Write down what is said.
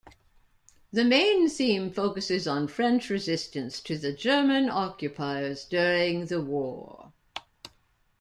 The main theme focuses on French resistance to the German occupiers during the war.